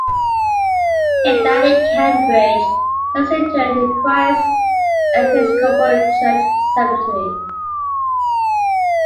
He died in Cambridge, and is interred in Christ Episcopal Church Cemetery.